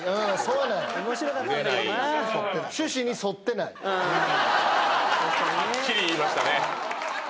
はっきり言いましたね。